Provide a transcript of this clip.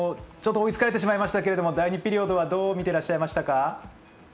追いつかれてしまいましたけども第２ピリオドはどう見ていらっしゃいましたか？